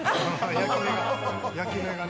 焼き目がね。